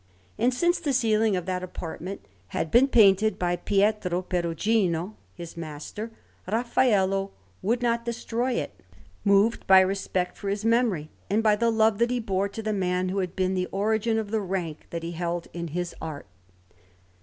And since the ceiling of that apartment had been painted by Pietro Perugino, his master, Raffaello would not destroy it, moved by respect for his memory and by the love that he bore to the man who had been the origin of the rank that he held in his art.